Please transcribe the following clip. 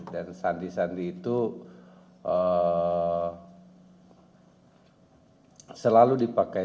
dan sandi sandi itu selalu dipakai